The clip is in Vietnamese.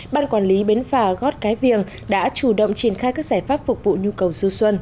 ban quản lý bến phà gót cái viềng đã chủ động triển khai các giải pháp phục vụ nhu cầu du xuân